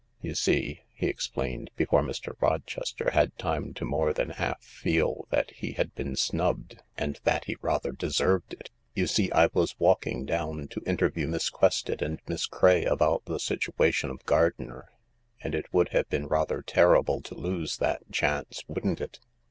You see," he explained, before Mr. Rochester had time to more than half feel that he had been snubbed, and that he rather deserved it ," you see , I was walking down to interview Miss Quested and Miss Craye about the situation of gardener, and it would have been rather terrible to lose that chance, wouldn't it